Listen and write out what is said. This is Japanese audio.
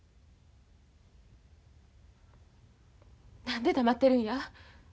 何で黙ってるんや？